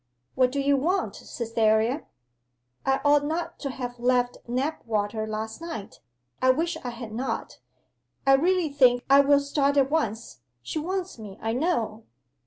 'What do you want, Cytherea?' 'I ought not to have left Knapwater last night. I wish I had not. I really think I will start at once. She wants me, I know.